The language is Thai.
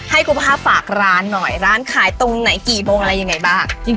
กุภาพฝากร้านหน่อยร้านขายตรงไหนกี่โมงอะไรยังไงบ้าง